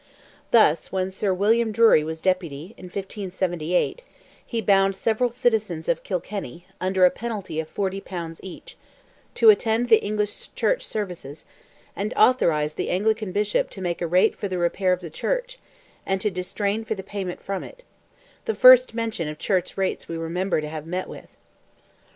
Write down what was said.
Thus, when Sir William Drury was Deputy, in 1578, he bound several citizens of Kilkenny, under a penalty of 40 pounds each, to attend the English Church service, and authorized the Anglican Bishop "to make a rate for the repair of the Church, and to distrain for the payment of it"—the first mention of Church rates we remember to have met with.